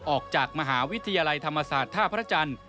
ออกจากมหาวิทยาลัยธรรมศาสตร์ท่าพระจันทร์